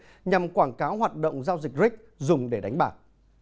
các bị cáo đã đăng quảng cáo hoạt động giao dịch ric dùng để đánh bạc